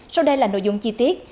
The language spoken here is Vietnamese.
sau đây là nội dung chi tiết